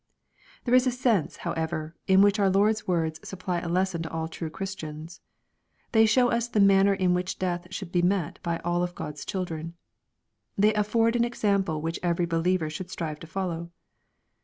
There is a sense, however, in which our Lord's words supply a lesson to all true Christians. They show us the manner in which death should be met by all God's children. They afford an example which every believer should strive to follow.